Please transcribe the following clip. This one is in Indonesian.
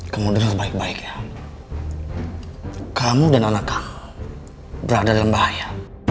kamu dengar baik baik ya kamu dan anak kamu berada dalam bahaya